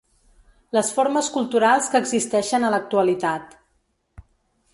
les formes culturals que existeixen a l'actualitat